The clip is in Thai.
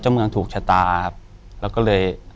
เจ้าเมืองถูกฉะตาครับเราก็เลย